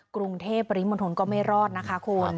กรุงเทพปริมณฑลก็ไม่รอดนะคะคุณ